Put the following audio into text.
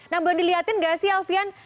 nah boleh dilihatin gak sih alfian